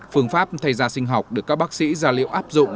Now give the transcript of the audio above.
phương pháp thay da sinh học được các bác sĩ gia liệu áp dụng